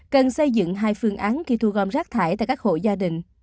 cần xây dựng hai phương án khi thu gom rác thải tại các hộ gia đình